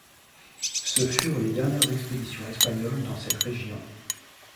Ce furent les dernières expéditions espagnoles dans cette région.